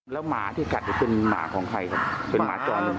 แล้วหมาที่กัดเป็นหมาของใครครับเป็นหมาจรหนึ่ง